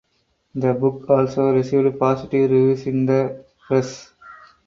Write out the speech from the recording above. The book also received positive reviews in the press.